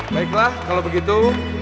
baiklah kalau begitu